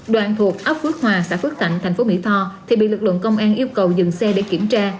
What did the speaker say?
đoàn thuộc ấp phước hòa xã phước thạnh thành phố mỹ tho thì bị lực lượng công an yêu cầu dừng xe để kiểm tra